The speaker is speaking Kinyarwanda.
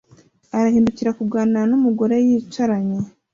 arahindukira kuganira numugore yicaranye